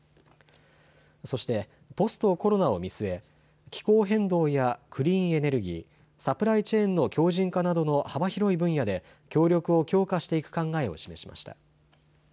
そしてポストコロナを見据え気候変動やクリーンエネルギー、サプライチェーンの強じん化などの幅広い分野で協力を強化していく考えを示しました。